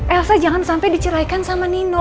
elsa jangan sampai diceraikan sama nino